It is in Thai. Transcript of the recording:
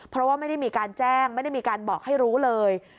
เพราะว่าไม่ได้มีการแจ้งไม่ได้มีการบอกให้รู้เลย